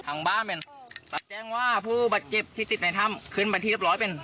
ทางบ้านเป็นรับแจ้งว่าผู้บาดเจ็บที่ติดในถ้ำขึ้นมาที่เรียบร้อยเป็น